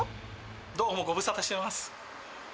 どうも、ご無沙汰してます。